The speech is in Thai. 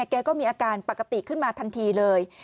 แกก็มีอาการปกติขึ้นมาทันทีเลย